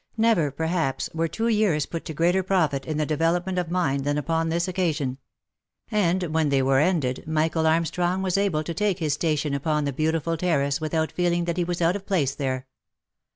Never, perhaps, were two years put to greater profit in the development of mind, than upon this occasion ; and when they were ended, Michael Armstrong was able to take his station upon the beautiful terrace, with out feeling that he was out of his place there.